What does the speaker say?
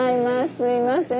すいません。